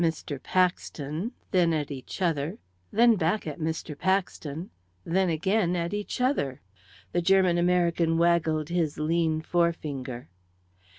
] The pair looked at Mr. Paxton, then at each other, then back at Mr. Paxton, then again at each other. The German American waggled his lean forefinger.